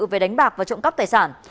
về đánh bạc và trộm cắp tài sản